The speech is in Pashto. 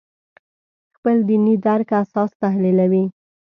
خپل دیني درک اساس تحلیلوي.